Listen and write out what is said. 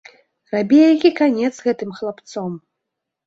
Рабі які канец з гэтым хлапцом.